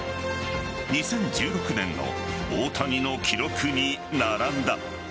２０１６年の大谷の記録に並んだ。